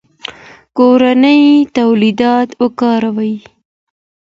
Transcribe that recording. کورني تولیدات وکاروئ.